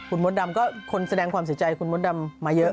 คุณมดดำก็คนแสดงความเสียใจคุณมดดำมาเยอะ